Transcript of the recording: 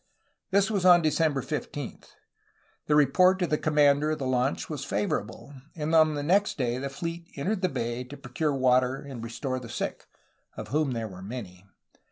This was on December 15. The report of the comimander of the launch was favorable, and on the next day the fleet en tered the bay to procure water and restore the sick, of whom there were many.